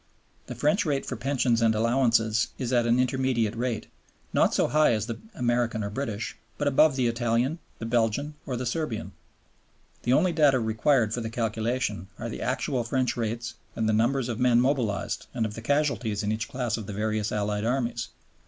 The French rate for Pensions and Allowances is at an intermediate rate, not so high as the American or British, but above the Italian, the Belgian, or the Serbian. The only data required for the calculation are the actual French rates and the numbers of men mobilized and of the casualties in each class of the various Allied Armies.